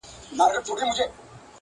حکم د حدیث قرآن ګوره چي لا څه کیږي.!.!